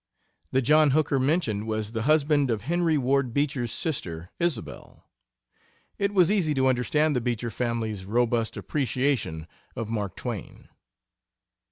The John Hooker mentioned was the husband of Henry Ward Beecher's sister, Isabel. It was easy to understand the Beecher family's robust appreciation of Mark Twain.